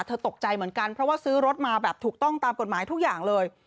ตกใจเหมือนกันเพราะว่าซื้อรถมาแบบถูกต้องตามกฎหมายทุกอย่างเลย